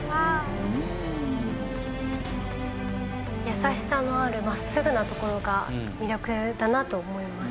優しさのある真っすぐなところが魅力だなと思います。